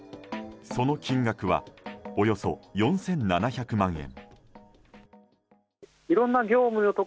その金額はおよそ４７００万円。